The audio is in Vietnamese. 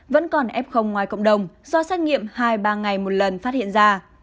vẫn còn f ngoài cộng đồng do xét nghiệm hai ba ngày một lần phát hiện ra